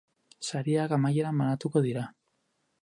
Sariak amaieran banatuko dira.